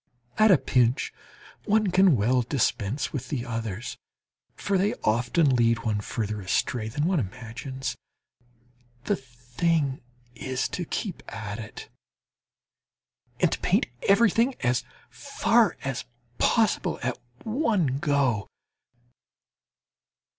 At a pinch one can well dispense with the others, for they often lead one further astray than one imagines. The thing is to keep at it, and to paint everything as far as possible at one go!